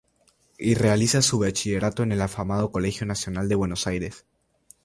Y realiza su bachillerato en el afamado Colegio Nacional de Buenos Aires.